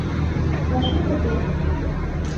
Вашмут уке.